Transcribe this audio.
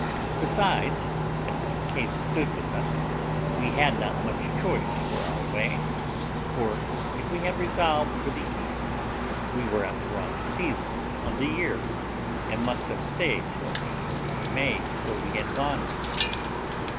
Besides, as the case stood with us, we had not much choice for our way; for, if we had resolved for the east, we were at the wrong season of the year, and must have stayed till April or May before we had gone to sea.